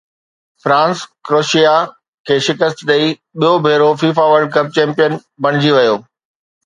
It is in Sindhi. فرانس ڪروشيا کي شڪست ڏئي ٻيو ڀيرو فيفا ورلڊ ڪپ چيمپيئن بڻجي ويو